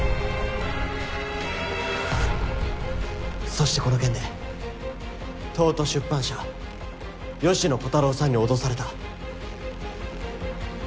そしてこの件で東都出版社芳野小太郎さんに脅された。